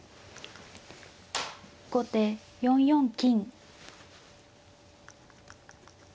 後手４四金。